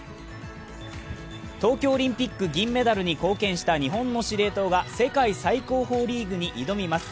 東京オリンピック銀メダルに貢献した日本の司令塔が世界最高峰リーグに挑みます。